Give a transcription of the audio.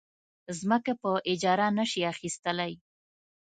ځمکې په اجاره نه شي اخیستلی.